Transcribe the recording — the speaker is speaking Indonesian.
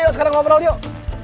yaudah sekarang ngobrol yuk